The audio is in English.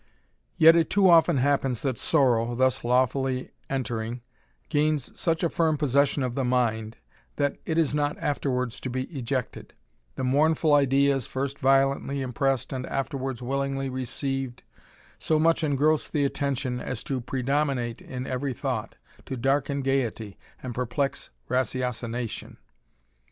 Yet it too often happens that sorrow, thus lawfully enter ing, gains such a firm possession of the mind, that it is not afterwards to be ejected ; the mournful ideas, first violently impressed and afterwards willingly received, so much engross the attention, as to predominate in every thought, to darken gaiety, and perplex ratiocination.